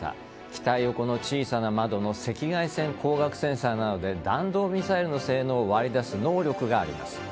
機体横の小さな窓の赤外線、光学センサーなどで弾道ミサイルの性能をあぶり出す能力があります。